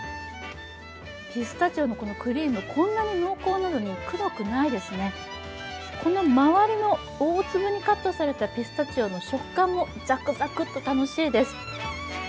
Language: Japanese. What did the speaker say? ピスタチオのクリーム、こんなに濃厚なのにくどくないですね、この周りの大粒にカットされたピスタチオの食感もザクザクッと楽しいです。